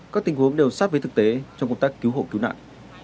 các tình huống đều sát với thực tế trong công tác cứu hộ cứu nạn